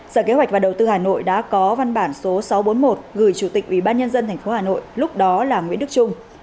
sở kế hoạch và đầu tư hà nội đã có văn bản số sáu trăm bốn mươi một gửi chủ tịch ubnd tp hà nội lúc đó là nguyễn đức trung